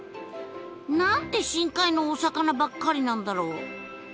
何で深海のお魚ばっかりなんだろう？